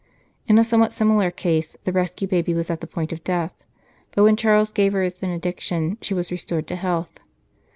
In a somewhat similar case, the rescued baby was at the point of death, but when Charles gave her his benediction she was restored to health.